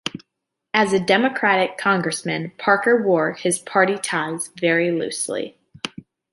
As a Democratic congressman, Parker wore his party ties very loosely.